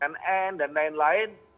nn dan lain lain